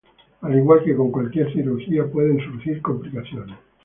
Al igual que con cualquier cirugía, pueden surgir complicaciones.